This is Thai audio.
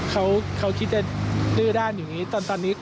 เขาคิดจะดื้อด้านอยู่อย่างเงี้ย